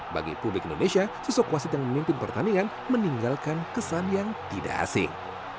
bagi publik indonesia sosok wasit yang memimpin pertandingan meninggalkan kesan yang tidak asing